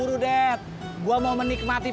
udah gini aja